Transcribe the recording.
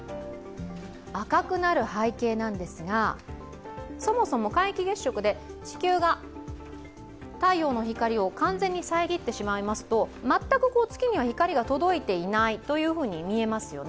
赤くなる背景ですが、そもそも皆既月食で地球が太陽の光を完全に遮ってしまいますと全く月には光が届いていないと見えますよね。